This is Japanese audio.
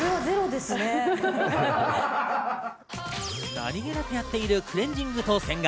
何気なくやっているクレンジングと洗顔。